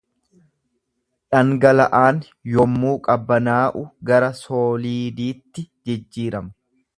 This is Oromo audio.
Dhangala’aan yommuu qabbanaa’u gara sooliiditti jijjiirama.